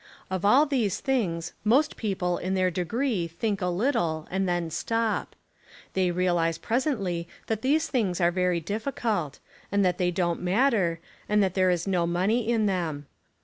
Of all these things most people in their degree think a little and then stop. They realise presently that these things are very difficult, and that they don't matter, and that there is no money in them.